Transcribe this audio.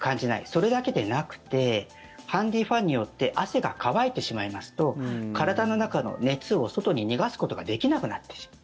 それだけでなくてハンディーファンによって汗が乾いてしまいますと体の中の熱を外に逃がすことができなくなってしまう。